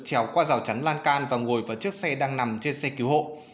trèo qua rào chắn lan can và ngồi vào chiếc xe đang nằm trên xe cứu hộ